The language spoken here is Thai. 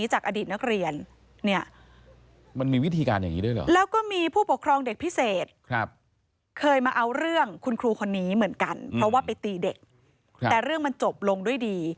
เหมือนกันเพราะว่าไปตีเด็กแต่เรื่องมันจบลงด้วยดี